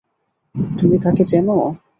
তুমি তাকে চেনো?